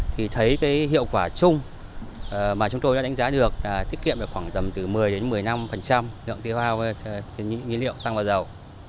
thì thấy hiệu quả chung mà chúng tôi đã đánh giá được là tiết kiệm khoảng tầm từ một mươi một mươi năm lượng tiêu hào với nhiên liệu xăng và dầu